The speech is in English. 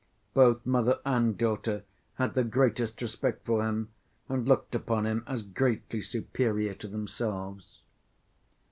Both mother and daughter had the greatest respect for him and looked upon him as greatly superior to themselves.